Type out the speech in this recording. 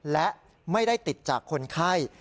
และไม่ได้ติดจากคนไข้